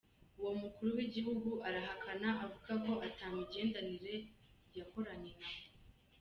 Uwo mukuru w'igihugu arahakana avuga ko ata migenderanire yakoranye na bwo.